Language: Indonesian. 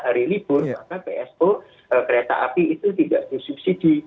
hari libur maka psu kereta api itu tidak disubsidi